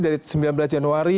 dari sembilan belas januari